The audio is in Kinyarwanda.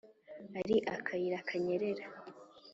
uri akayira kanyerera